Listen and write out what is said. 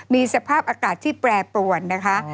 มีสภาพอากาศที่แปรปรวนนะคะ